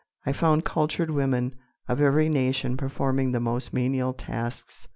I found cultured women of every nation performing the most menial tasks.